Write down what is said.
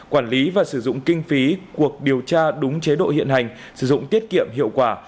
quản lý và sử dụng kinh phí cuộc điều tra đúng chế độ hiện hành sử dụng tiết kiệm hiệu quả